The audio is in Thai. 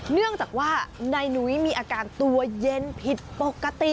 เนื่องจากว่านายหนุ้ยมีอาการตัวเย็นผิดปกติ